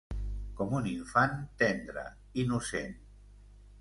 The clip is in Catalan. Com un infant, tendre, innocent...